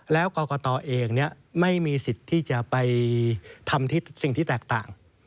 แล้วกรกตเองไม่มีสิทธิ์ที่จะไปทำสิ่งที่แตกต่าง